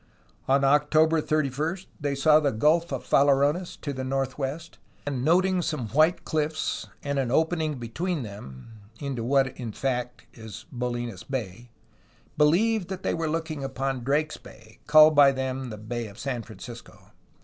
On October 31 they saw the Gulf of Farallones to the northwest, and noting some white cliffs and an opening between them (into what is in fact Bolinas Bay) believed that they were looking upon Drake's Bay, called by them the "Bay of San Francisco."